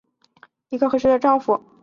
新君主仍然需要一个合适的丈夫。